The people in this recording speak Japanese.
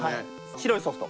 白いソフト。